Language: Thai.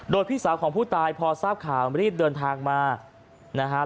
โดยพี่สาวของผู้ตายพอทราบข่าวรีบเดินทางมานะฮะ